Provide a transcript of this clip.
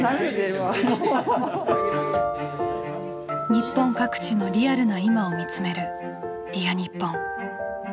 日本各地のリアルな今を見つめる「Ｄｅａｒにっぽん」。